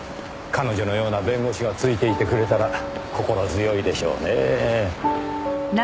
彼女のような弁護士がついていてくれたら心強いでしょうねぇ。